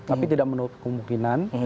tapi tidak menutup kemungkinan